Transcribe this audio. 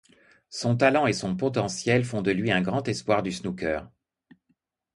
Son talent et son potentiel font de lui un grand espoir du snooker.